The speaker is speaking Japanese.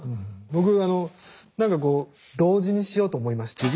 僕あの何かこう同時にしようと思いました。